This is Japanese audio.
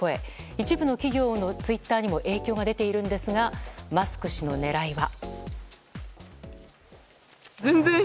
一部の企業のツイッターにも影響が出ているんですがマスク氏の狙いは。